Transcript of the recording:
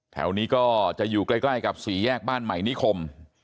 แถวนี้ก็จะอยู่ใกล้กับสี่แยกบ้านใหม่นิคม